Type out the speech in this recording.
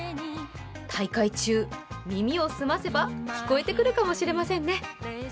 大会中、耳をすませば聞こえてくるかもしれませんね。